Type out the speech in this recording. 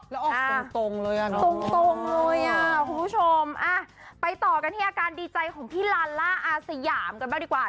แล้วออกตรงเลยอ่ะเนาะตรงเลยอ่ะคุณผู้ชมไปต่อกันที่อาการดีใจของพี่ลาล่าอาสยามกันบ้างดีกว่า